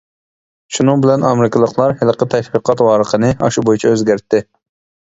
شۇنىڭ بىلەن ئامېرىكىلىقلار ھېلىقى تەشۋىقات ۋارىقىنى ئاشۇ بويىچە ئۆزگەرتتى.